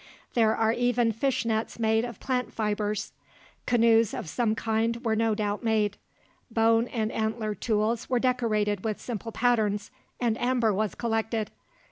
There are even fish nets made of plant fibers. Canoes of some kind were no doubt made. Bone and antler tools were decorated with simple patterns, and amber was collected.